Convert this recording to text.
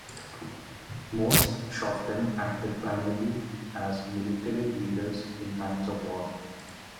Most "shoftim" acted primarily as military leaders in times of war.